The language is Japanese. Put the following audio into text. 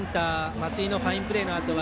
松井のファインプレーのあとは